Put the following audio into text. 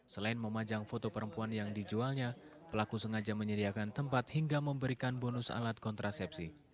selain memajang foto perempuan yang dijualnya pelaku sengaja menyediakan tempat hingga memberikan bonus alat kontrasepsi